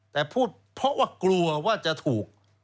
แต่พูดเพราะว่ากลัวว่าจะถูก